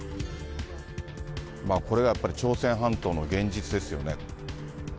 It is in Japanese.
これがやっぱり朝鮮半島の現実ですよね。